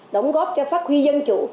đóng góp cho phát huy dân chủ